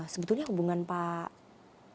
sebetulnya hubungan pak amin dengan